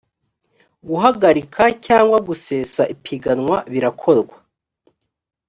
guhagarika cyangwa gusesa ipiganwa birakorwa